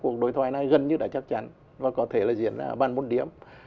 cuộc đối thoại này gần như đã chắc chắn và có thể diễn ra bằng bốn điểm